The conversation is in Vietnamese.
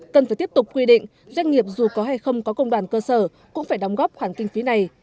cần phải tiếp tục quy định doanh nghiệp dù có hay không có công đoàn cơ sở cũng phải đóng góp khoản kinh phí này